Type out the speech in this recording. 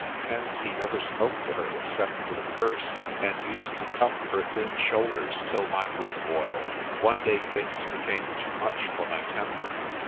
Hence he never spoke to her except with a curse, and used to cuff her thin shoulders till my blood boiled. One day things became too much for my temper.